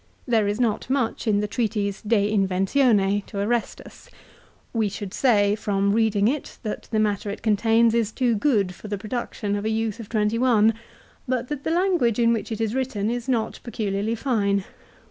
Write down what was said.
There is not much in the treatise " Do Inventione " to arrest us. We should say, from reading it, that the matter it contains is too good for the production of a youth of twenty one, but that the language in which it is written is not peculiarly fine.